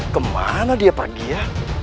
kemana dia pergi ya